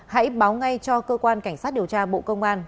hãy báo ngay cho cơ quan cảnh sát điều tra bộ công an